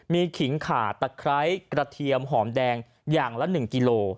มีขิงขาตะไคร้กระเทียมหอมแดงอย่างละ๑กิโล